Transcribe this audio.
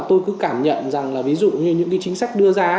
tôi cứ cảm nhận rằng là ví dụ như những cái chính sách đưa ra